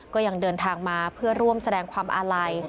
ก็ยังเดินทางมาเพื่อร่วมแสดงความอาลัย